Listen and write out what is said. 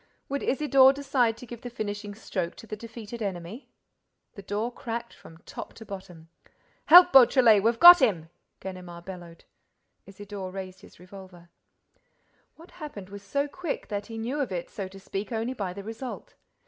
Would Isidore decide to give the finishing stroke to the defeated enemy? The door cracked from top to bottom. "Help, Beautrelet, we've got him!" Ganimard bellowed. Isidore raised his revolver. What happened was so quick that he knew of it, so to speak, only by the result.